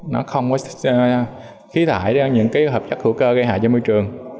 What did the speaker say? nó không có khí thải ra những hợp chất hữu cơ gây hại cho môi trường